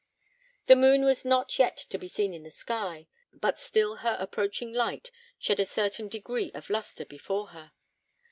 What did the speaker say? The moon was not yet to be seen in the sky, but still her approaching light shed a certain degree of lustre before her.